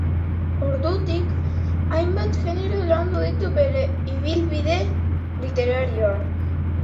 Ordutik, hainbat genero landu ditu bere ibilbide literarioan.